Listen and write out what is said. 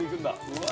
うわ！